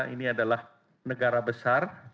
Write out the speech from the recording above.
ini adalah negara besar